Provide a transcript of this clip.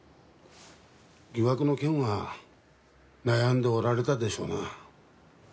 疑惑の件は悩んでおられたでしょうな。